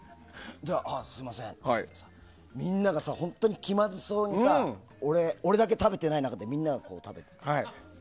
あ、すみませんって言ってみんなが本当に気まずそうにさ俺だけ食べてない中でみんなは食べてたから。